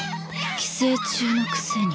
寄生虫のくせに。